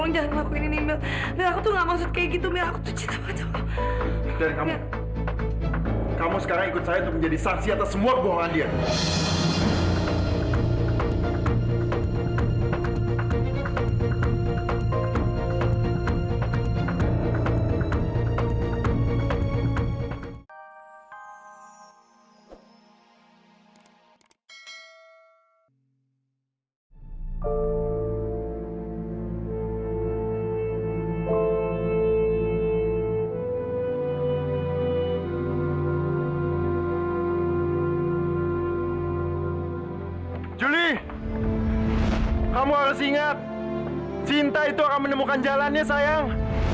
cinta itu akan menemukan jalannya sayang